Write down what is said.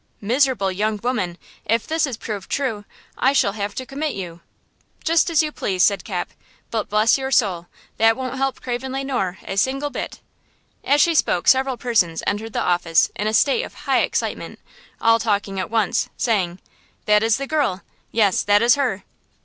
"Miserable young woman, if this is proved true, I shall have to commit you!" "Just as you please," said Cap, "but bless your soul, that won't help Craven Le Noir a single bit!" As she spoke several persons entered the office in a state of high excitement–all talking at once, saying: "That is the girl!" "Yes, that is her!"